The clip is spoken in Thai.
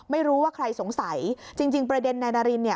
ไม่รู้ว่าใครสงสัยจริงประเด็นนายนารินเนี่ย